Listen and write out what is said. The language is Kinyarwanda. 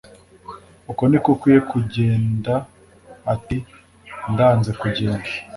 Uko niko ukwiye kugenda ati ndanze kugenda